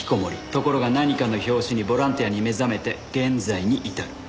ところが何かの拍子にボランティアに目覚めて現在に至る。